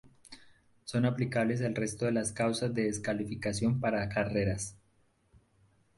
Son aplicables el resto de las causas de descalificación para carreras.